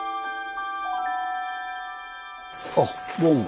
あっどうも。